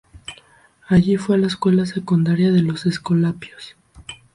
Allí fue a la escuela secundaria de los escolapios.